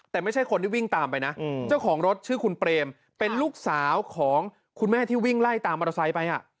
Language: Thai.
แต่ไม่ใช่คนที่วิ่งตามไปนะเจ้าของรถชื่อคุณเปรมเป็นลูกสาวของคุณแม่ที่วิ่งไล่ตามมอเตอร์ไซค์ไป